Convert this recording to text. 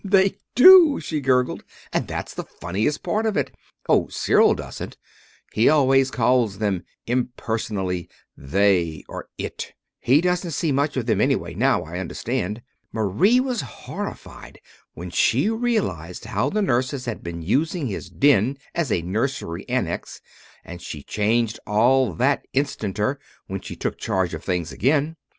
"They do," she gurgled, "and that's the funniest part of it. Oh, Cyril doesn't. He always calls them impersonally 'they' or 'it.' He doesn't see much of them anyway, now, I understand. Marie was horrified when she realized how the nurses had been using his den as a nursery annex and she changed all that instanter, when she took charge of things again.